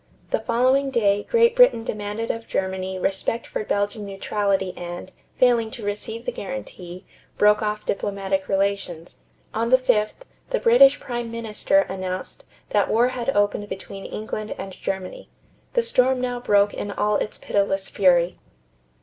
The following day, Great Britain demanded of Germany respect for Belgian neutrality and, failing to receive the guarantee, broke off diplomatic relations. On the 5th, the British prime minister announced that war had opened between England and Germany. The storm now broke in all its pitiless fury.